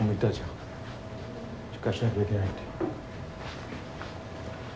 しっかりしなきゃいけないって。